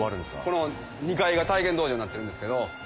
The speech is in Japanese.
この２階が体験道場になってるんですけど。